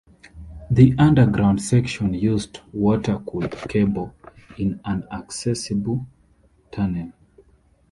The underground section used water-cooled cable in an accessible tunnel.